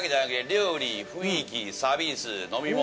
料理雰囲気サービス飲み物